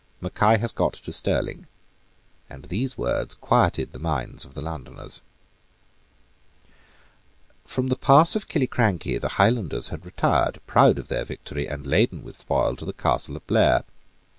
Mackay has got to Stirling:" and these words quieted the minds of the Londoners, From the pass of Killiecrankie the Highlanders had retired, proud of their victory, and laden with spoil, to the Castle of Blair.